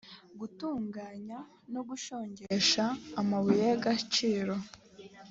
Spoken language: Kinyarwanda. gutunganya no gushongesha amabuye y agaciro